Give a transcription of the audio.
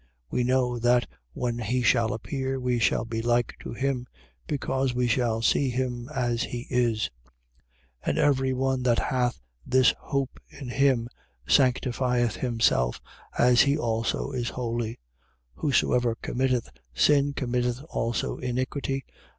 We know that when he shall appear we shall be like to him: because we shall see him as he is. 3:3. And every one that hath this hope in him sanctifieth himself, as he also is holy. 3:4. Whosoever committeth sin committeth also iniquity.